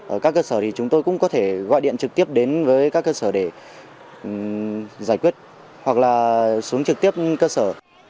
ở các cơ sở thì chúng tôi cũng có thể gọi điện trực tiếp đến với các cơ sở để giải quyết hoặc là xuống trực tiếp cơ sở